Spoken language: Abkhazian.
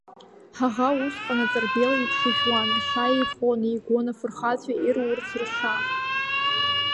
Ҳаӷа усҟан, аҵарбел еиԥш ижәуан ршьа, еихон, еигәон, афырхацәа, ирурц ршьа.